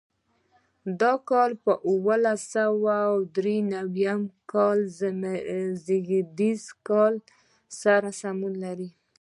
دا کال د اوولس سوه درې اویا زېږدیز کال سره سمون لري.